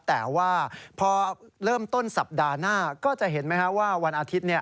แต่ว่าพอเริ่มต้นสัปดาห์หน้าก็จะเห็นไหมครับว่าวันอาทิตย์